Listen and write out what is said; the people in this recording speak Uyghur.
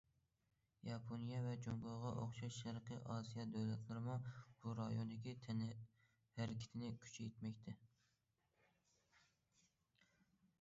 ياپونىيە ۋە جۇڭگوغا ئوخشاش شەرقىي ئاسىيا دۆلەتلىرىمۇ بۇ رايوندىكى ھەرىكىتىنى كۈچەيتمەكتە.